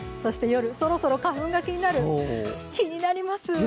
夜、そろそろ花粉が気になる、気になります。